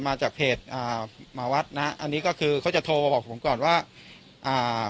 มาจากเพจอ่าหมาวัดนะฮะอันนี้ก็คือเขาจะโทรมาบอกผมก่อนว่าอ่า